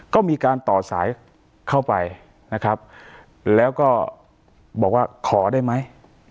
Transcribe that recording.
ก็มีการต่อสายเข้าไปนะครับแล้วก็บอกว่าขอได้ไหม